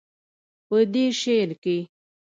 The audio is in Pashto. پۀ دې شعر کښې